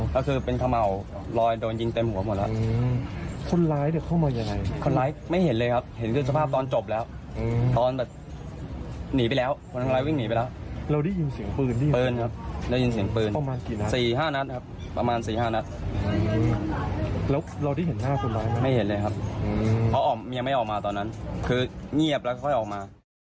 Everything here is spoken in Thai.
ตอนนั้นคือเงียบแล้วก็ค่อยออกมา